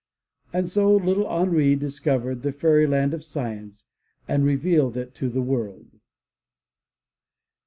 And so little Henri dis covered the Fairyland of Science and revealed it to the world.